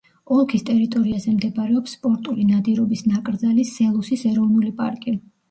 ოლქის ტერიტორიაზე მდებარეობს სპორტული ნადირობის ნაკრძალი სელუსის ეროვნული პარკი.